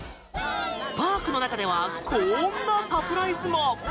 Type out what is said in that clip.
パークの中ではこんなサプライズも。